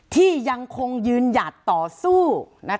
ที่ยังคงยืนหยัดต่อสู้